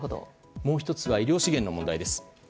もう１つは、医療資源の問題です。